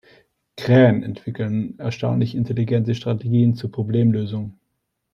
Krähen entwickeln erstaunlich intelligente Strategien zur Problemlösung.